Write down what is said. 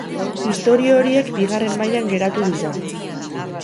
Istorio horiek bigarren mailan geratu dira.